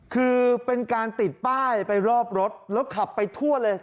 คือเป็นการติดป้ายไปรอบรถแล้วขับไปทั่วเลย